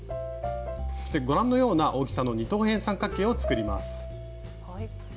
そしてご覧のような大きさの二等辺三角形を作ります。